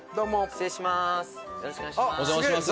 失礼します。